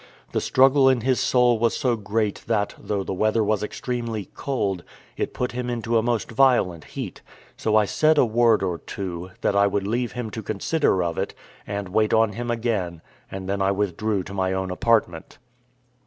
The struggle in his soul was so great that, though the weather was extremely cold, it put him into a most violent heat; so I said a word or two, that I would leave him to consider of it, and wait on him again, and then I withdrew to my own apartment.